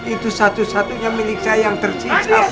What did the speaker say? itu satu satunya milik saya yang tersisa pak